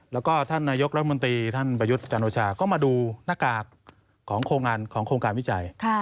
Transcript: แล้วก็ท่านนายกรัฐมนตรีท่านประยุทธ์จันโอชาก็มาดูหน้ากากของโครงการวิจัย